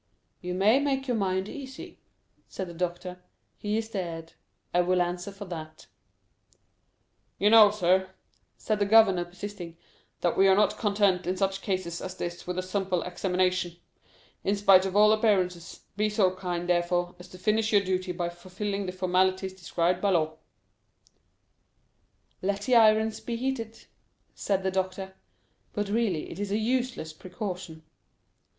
"You may make your mind easy," said the doctor; "he is dead. I will answer for that." "You know, sir," said the governor, persisting, "that we are not content in such cases as this with such a simple examination. In spite of all appearances, be so kind, therefore, as to finish your duty by fulfilling the formalities described by law." "Let the irons be heated," said the doctor; "but really it is a useless precaution."